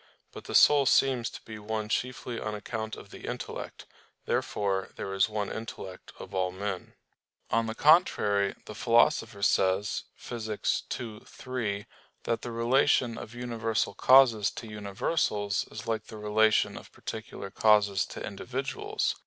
But the soul seems to be one chiefly on account of the intellect. Therefore there is one intellect of all men. On the contrary, The Philosopher says (Phys. ii, 3) that the relation of universal causes to universals is like the relation of particular causes to individuals.